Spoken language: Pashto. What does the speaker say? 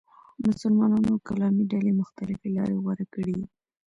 مسلمانانو کلامي ډلې مختلفې لارې غوره کړې دي.